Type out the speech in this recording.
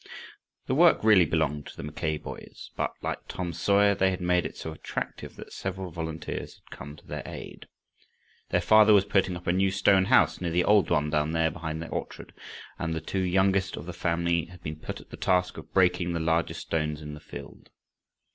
The work really belonged to the Mackay boys, but, like Tom Sawyer, they had made it so attractive that several volunteers had come to their aid. Their father was putting up a new stone house, near the old one down there behind the orchard, and the two youngest of the family had been put at the task of breaking the largest stones in the field.